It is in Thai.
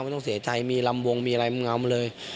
ไม่ต้องเสียใจมีลำวงมีอะไรเงามเลย